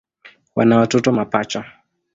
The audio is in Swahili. Wana watoto mapacha.